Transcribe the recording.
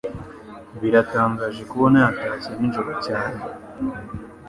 Biratangaje kubona yatashye nijoro cyane